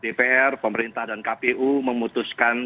dpr pemerintah dan kpu memutuskan